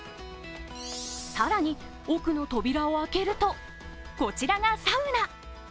更に、奥の扉を開けるとこちらがサウナ。